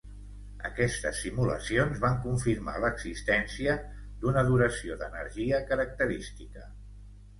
Aquestes simulacions van confirmar l'existència d'una duració d'energia característica.